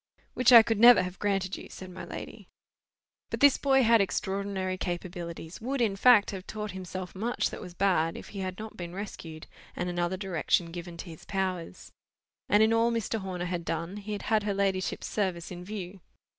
"Which I could never have granted you," said my lady. But this boy had extraordinary capabilities; would, in fact, have taught himself much that was bad, if he had not been rescued, and another direction given to his powers. And in all Mr. Horner had done, he had had her ladyship's service in view.